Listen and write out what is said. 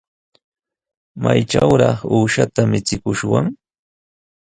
¿Maytrawraq uushata michikushwan?